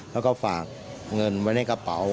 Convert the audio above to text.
แล้วก็ฝากเงินไว้ในกระเป๋า